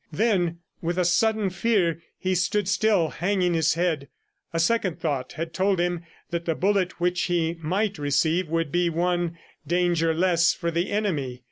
Then, with a sudden fear, he stood still hanging his head; a second thought had told him that the bullet which he might receive would be one danger less for the enemy.